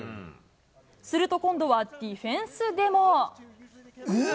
すると今度は、ディフェンスでも。